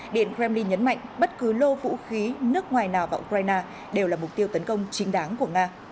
điện kremlin nhấn mạnh bất cứ lô vũ khí nước ngoài nào vào ukraine đều là mục tiêu tấn công chính đáng của nga